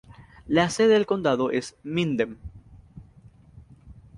La sede del condado es Minden.